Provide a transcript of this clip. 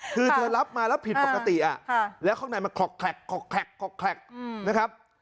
คือเธอรับมาแล้วผิดปกติอ่ะแล้วข้างในมันคล็อกแคล็กคล็อกแคล็กคล็อกแคล็กนะครับ